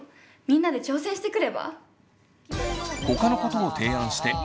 みんなで挑戦してくれば？